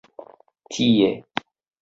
tie